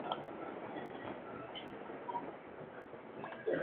Además será mixto, ya que podrán circular autos y trenes.